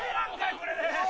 これで。